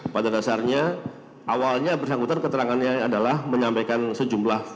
pada dasarnya awalnya bersangkutan keterangannya adalah menyampaikan sejumlah